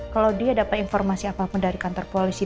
kalau dia dapet informasi apa apa dari kantor polisi